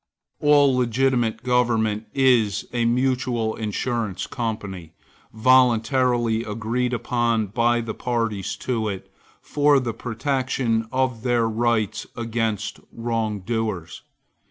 All legitimate government is a mutual insurance company, voluntarily agreed upon by the parties to it, for the protection of their rights against wrong doers.